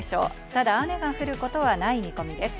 ただ雨が降ることはない見込みです。